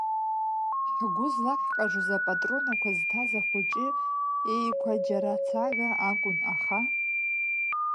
Ҳгәы злаҳҟажоз апатронақәа зҭаз ахәыҷы еиқәа џьарацага акәын, аха…